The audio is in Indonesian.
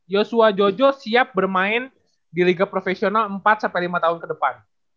yosua jojo siap bermain di liga profesional empat lima tahun kedepan